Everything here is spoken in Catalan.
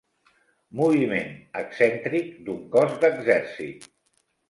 Moviment excèntric d'un cos d'exèrcit.